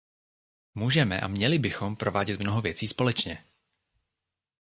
Můžeme a měli bychom provádět mnoho věcí společně.